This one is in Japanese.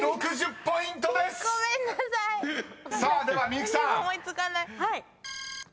［さあでは美有姫さん］